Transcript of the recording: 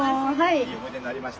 いい思い出になりました。